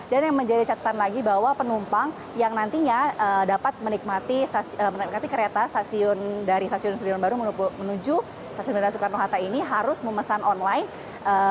dan yang menjadi catatan lagi bahwa penumpang yang nantinya dapat menikmati kereta dari stasiun surinam baru menuju stasiun bandara soekarno hatta ini harus memesan online